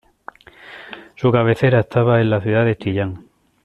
Su cabecera estaba en la Ciudad de Chillán.